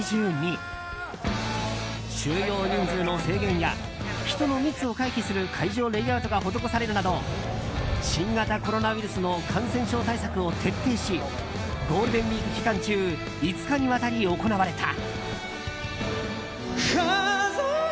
収容人数の制限や人の密を回避する会場レイアウトが施されるなど新型コロナウイルスの感染症対策を徹底しゴールデンウィーク期間中５日にわたり行われた。